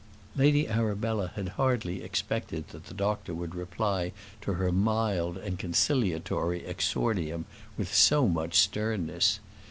Lady Arabella had hardly expected that the doctor would reply to her mild and conciliatory exordium with so much sternness.